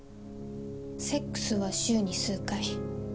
セックスは週に数回。